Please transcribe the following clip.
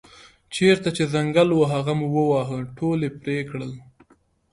چېرته چې ځنګل و هغه مو وواهه ټول یې پرې کړل.